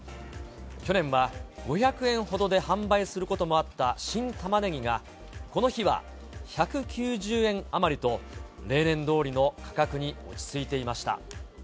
去年は５００円ほどで販売することもあった新たまねぎが、この日は１９０円余りと、例年どおりの価格に落ち着いていました。